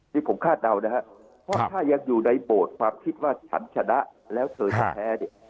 นี่ผมคาดเดานะครับเพราะถ้ายังอยู่ในโบสถ์ความคิดว่าฉันชนะแล้วเธอจะแพ้เนี่ย